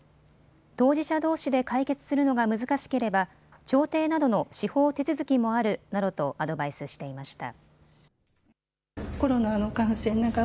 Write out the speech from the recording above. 当事者どうしで解決するのが難しければ調停などの司法手続きもあるなどとアドバイスしていました。